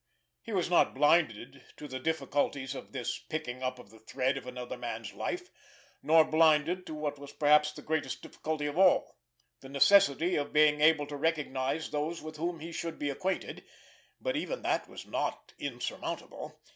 He was not blinded to the difficulties of this picking up of the thread of another man's life; nor blinded to what was perhaps the greatest difficulty of all, the necessity of being able to recognize those with whom he should be acquainted, but even that was not insurmountable.